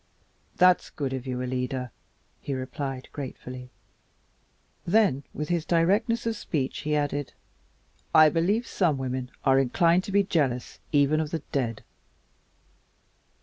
"That's good of you, Alida," he replied gratefully. Then, with his directness of speech, he added, "I believe some women are inclined to be jealous even of the dead."